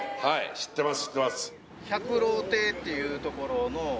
知ってます